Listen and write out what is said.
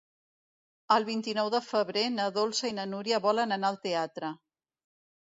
El vint-i-nou de febrer na Dolça i na Núria volen anar al teatre.